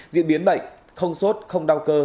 diễn biến bệnh không sốt không đau cơ